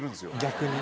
逆に？